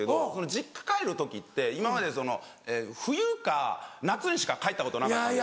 実家帰る時って今まで冬か夏にしか帰ったことなかったんですよ。